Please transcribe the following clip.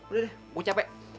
udah deh gue capek